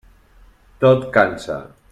Tot cansa.